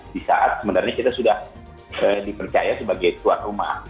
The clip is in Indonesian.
di saat sebenarnya kita sudah dipercaya sebagai tuan rumah